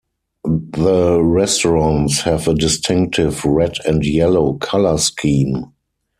The restaurants have a distinctive red-and-yellow color scheme.